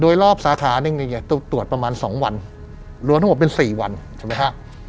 โดยรอบสาขานี่เนี้ยตรวจตรวจประมาณสองวันรวมทั้งหมดเป็นสี่วันใช่ไหมฮะ